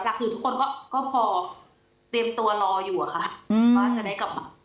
แต่คือทุกคนก็พอเตรียมตัวรออยู่ค่ะ